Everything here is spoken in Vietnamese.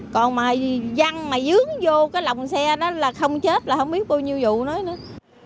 còn mà dân mà dướng vô cái lòng xe đó là không chết là không biết bao nhiêu vụ nữa